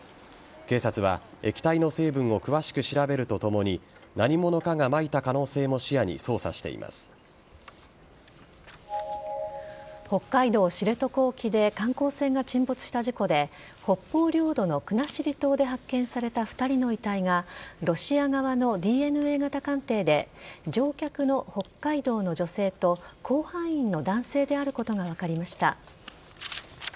警察は液体の成分を詳しく調べるとともに何者かがまいた可能性も視野に北海道知床沖で観光船が沈没した事故で北方領土の国後島で発見された２人の遺体がロシア側のＤＮＡ型鑑定で乗客の北海道の女性と甲板員の男性であることが分かりました。